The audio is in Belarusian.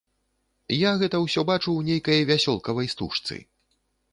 Я гэта ўсё бачу ў нейкай вясёлкавай стужцы.